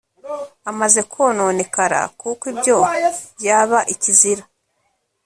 amaze kononekara, kuko ibyo byaba ikizira